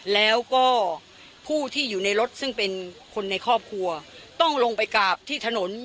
แล้วก็ผู้ที่อยู่ในรถซึ่งเป็นคนในครอบครัวต้องลงไปกราบที่ถนน